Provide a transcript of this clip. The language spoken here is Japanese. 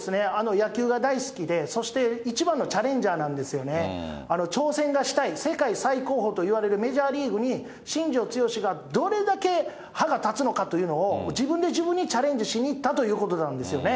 野球が大好きで、そして一番のチャレンジャーなんですよね、挑戦がしたい、世界最高峰といわれるメジャーリーグに新庄剛志がどれだけ歯が立つのかというのを、自分で自分にチャレンジしに行ったということなんですよね。